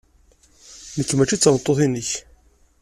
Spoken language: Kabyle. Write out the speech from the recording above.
Nekk maci d tameṭṭut-nnek.